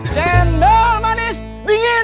cendol manis dingin